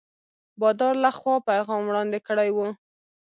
بادار له خوا پیغام وړاندي کړی وو.